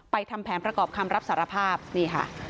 ทำแผนประกอบคำรับสารภาพนี่ค่ะ